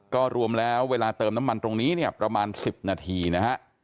ก็รวมแล้วเวลาเติมน้ำมันตรงนี้เนี่ยประมาณ๑๐นาทีนะฮะ